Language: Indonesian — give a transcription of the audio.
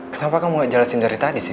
kenapa kamu gak jelasin dari tadi sih